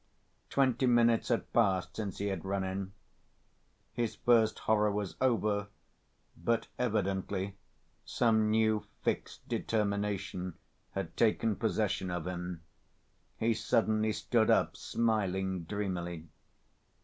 Twenty minutes had passed since he had run in. His first horror was over, but evidently some new fixed determination had taken possession of him. He suddenly stood up, smiling dreamily.